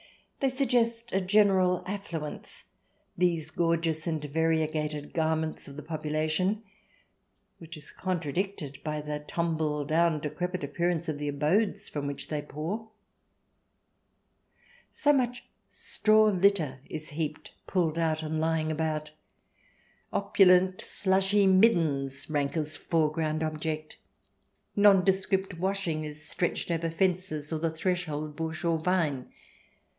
They suggest a general affluence, these gorgeous and variegated garments of the population, which is contradicted by the tumble down, decrepit appearance of the abodes from which they pour. CH. XIV] GREAT DANES AND MICE 187 So much straw litter is heaped, pulled out, and lying about ; opulent slushy middens rank as a foreground object ; nondescript washing is stretched over fences or the threshold bush or vine.